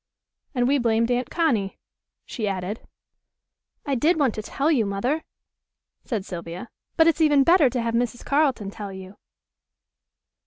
"And we blamed Aunt Connie," she added. "I did want to tell you, Mother," said Sylvia, "but it's even better to have Mrs. Carleton tell you."